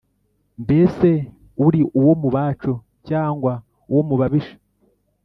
Mbese uri uwo mu bacu cyangwa uwo mu babisha